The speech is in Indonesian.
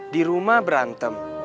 di rumah berantem